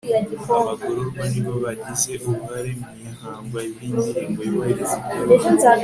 abagororwa nibo bagize uruhare mu ihangwa ry'indirimbo yubahiriza igihugu